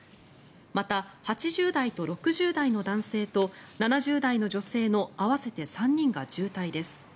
また、８０代と６０代の男性と７０代の女性の合わせて３人が重体です。